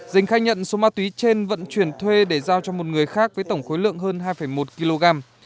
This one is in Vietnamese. dình khai nhận số ma túy trên vận chuyển thuê để giao cho một người khác với tổng khối lượng hơn hai một kg